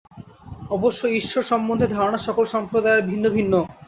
অবশ্য ঈশ্বর সম্বন্ধে ধারণা সকল সম্প্রদায়ের ভিন্ন ভিন্ন।